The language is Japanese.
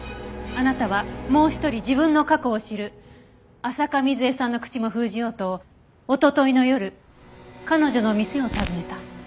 あなたはもう一人自分の過去を知る浅香水絵さんの口も封じようとおとといの夜彼女の店を訪ねた。